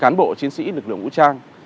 cán bộ chiến sĩ lực lượng vũ trang